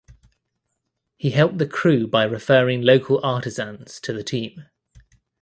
He helped the crew by referring local artisans to the team.